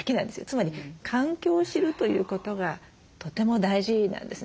つまり環境を知るということがとても大事なんですね。